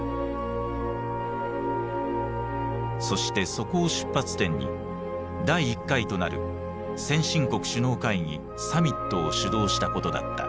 そしてそこを出発点に第１回となる先進国首脳会議サミットを主導したことだった。